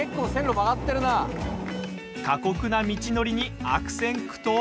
過酷な道のりに悪戦苦闘。